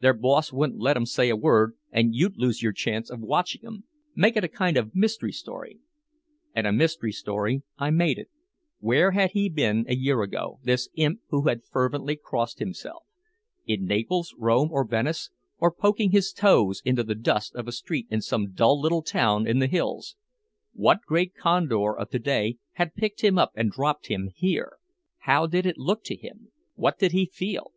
Their boss wouldn't let 'em say a word and you'd lose your chance of watching 'em. Make it a kind of a mystery story." And a mystery story I made it. Where had he been a year ago, this imp who had fervently crossed himself? In Naples, Rome or Venice, or poking his toes into the dust of a street in some dull little town in the hills? What great condor of to day had picked him up and dropped him here? How did it look to him? What did he feel?